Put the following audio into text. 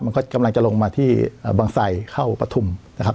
มันก็กำลังจะลงมาที่อ่าบางไส่เข้าประทุมนะครับ